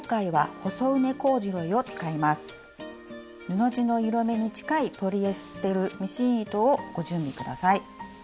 布地の色めに近いポリエステルミシン糸をご準備下さい。